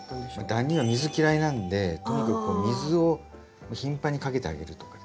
ダニは水嫌いなんでとにかくこう水を頻繁にかけてあげるとか。